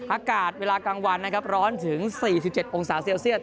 อากาศเวลากลางวันร้อนถึง๔๗องศาเสียลเซียด